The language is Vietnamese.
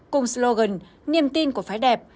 cùng slogan niềm tin của phái đẹp